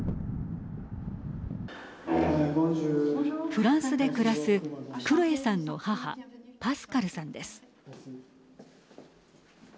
フランスで暮らすクロエさんの母パスカルさんです。